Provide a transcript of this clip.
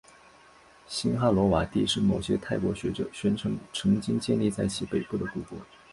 辛哈罗瓦帝是某些泰国学者宣称曾经建立在其北部的古国。